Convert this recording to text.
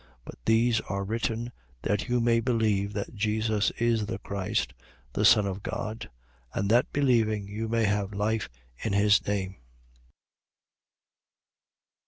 20:31. But these are written, that you may believe that Jesus is the Christ, the Son of God: and that believing, you may have life in his name.